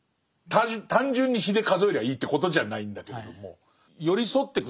単純に日で数えりゃいいということじゃないんだけれども寄り添ってく